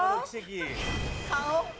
顔！